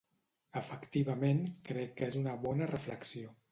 Efectivament, crec que és una bona reflexió.